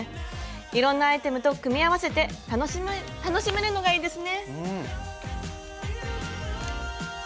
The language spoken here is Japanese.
いろんなアイテムと組み合わせて楽しめるのがいいですね。